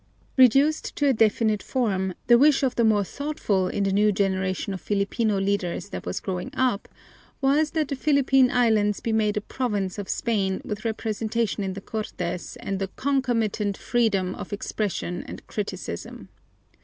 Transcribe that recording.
Reduced to a definite form, the wish of the more thoughtful in the new generation of Filipino leaders that was growing up was that the Philippine Islands be made a province of Spain with representation in the Cortes and the concomitant freedom of expression and criticism.